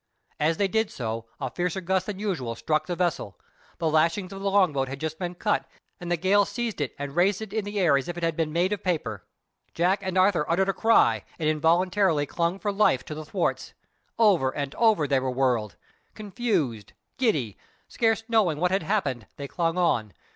As they did so a fiercer gust than usual struck the vessel. The lashings of the long boat had just been cut, and the gale seized it and raised it in the air as if it had been made of paper. Jack and Arthur uttered a cry, and involuntarily clung for life to the thwarts. Over and over they were whirled. Confused, giddy, scarce knowing what had happened, they clung on.